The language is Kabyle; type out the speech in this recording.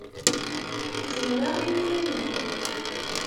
Zemreɣ i iman-iw.